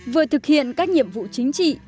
vừa thực hiện các nhiệm vụ chính trị